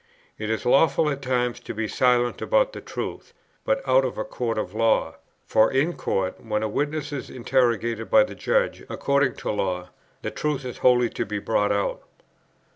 "It is lawful at times to be silent about the truth, but out of a court of law; for in court, when a witness is interrogated by the judge according to law, the truth is wholly to be brought out.